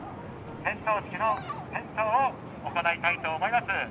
点灯式の点灯を行いたいと思います。